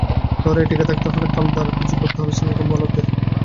লড়াইয়ে টিকে থাকতে হলে কাল দারুণ কিছু করতে হতো শ্রীলঙ্কান বোলারদের।